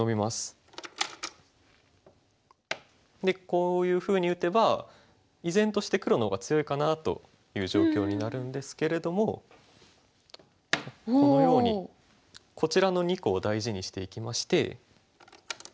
でこういうふうに打てば依然として黒の方が強いかなという状況になるんですけれどもこのようにこちらの２個を大事にしていきまして。